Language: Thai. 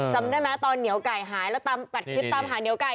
จำได้ไหมตอนเหนียวไก่หายแล้วตามกัดคลิปตามหาเหนียวไก่